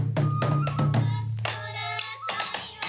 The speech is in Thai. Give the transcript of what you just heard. สวัสดีครับ